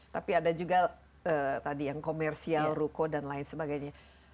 tapi ada juga tadi yang komersial ruko dan lain sebagainya